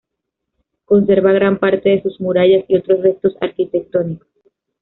Conserva gran parte de sus murallas y otros restos arquitectónicos.